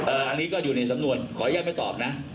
อันนี้ก็อยู่ในสำนวนขออนุญาตไม่ตอบนะ